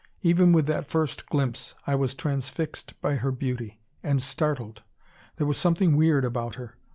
Even with that first glimpse, I was transfixed by her beauty. And startled; there was something weird about her.